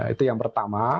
itu yang pertama